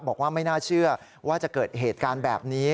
บอกว่าไม่น่าเชื่อว่าจะเกิดเหตุการณ์แบบนี้